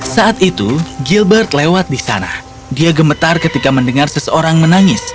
saat itu gilbert lewat di sana dia gemetar ketika mendengar seseorang menangis